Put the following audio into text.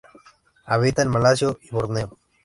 Habita en Malasia y Borneo.